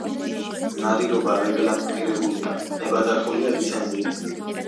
ნადირობა რეგლამენტირებულია, ნებადართულია ლიცენზიით.